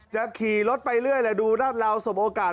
จะขี่รถไปเรื่อยและดูด้านเราสมโอกาส